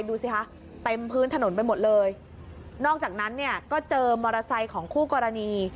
ดูสิคะเต็มพื้นถนนไปหมดเลยนอกจากนั้นเนี่ยก็เจอมอเตอร์ไซค์ของคู่กรณี